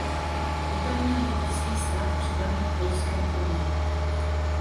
Poté měl litevský stát připadnout polské koruně.